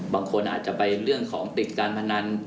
บางคนอาจจะไปเรื่องของติดการพนัน